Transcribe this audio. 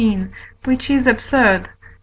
which is absurd (III.